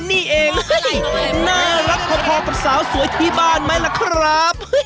นี่เองน่ารักพอกับสาวสวยที่บ้านไหมล่ะครับ